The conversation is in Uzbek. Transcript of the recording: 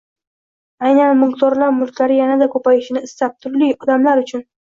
Aynan mulkdorlar mulklari yana-da ko‘payishini istab turli, odamlar uchun